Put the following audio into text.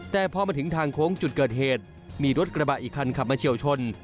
แต่พอมาถึงทางโค้งจุดเกิดเหตุมีรถกระบะอีกคันขับมาเฉียวชน